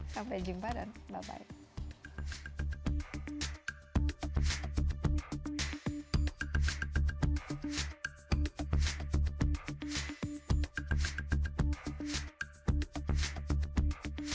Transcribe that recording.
sampai jumpa dan bye bye